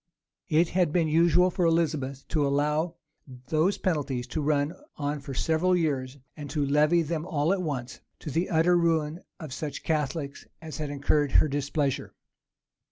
It had been usual for Elizabeth to allow those penalties to run on for several years; and to levy them all at once, to the utter ruin of such Catholics as had incurred her displeasure.